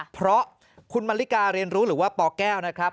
เพราะคุณมาริกาเรียนรู้หรือว่าปแก้วนะครับ